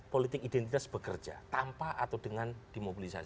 politik identitas bekerja tanpa atau dengan dimobilisasi